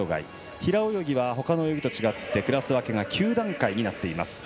平泳ぎはほかの泳ぎと違ってクラス分けが９段階になっています。